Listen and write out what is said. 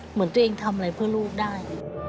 เหมือนตัวเองทำอะไรเพื่อลูกได้